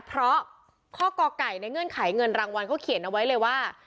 เพราะข้อก่อไก่ในเงื่อนไขเงินรางวัลเขาเขียนเอาไว้เลยว่า